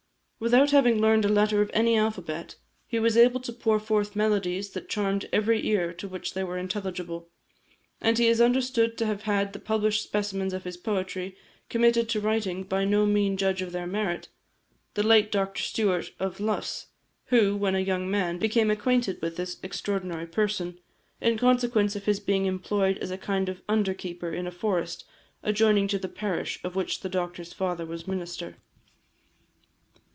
Without having learned a letter of any alphabet, he was enabled to pour forth melodies that charmed every ear to which they were intelligible. And he is understood to have had the published specimens of his poetry committed to writing by no mean judge of their merit, the late Dr Stewart of Luss, who, when a young man, became acquainted with this extraordinary person, in consequence of his being employed as a kind of under keeper in a forest adjoining to the parish of which the Doctor's father was minister.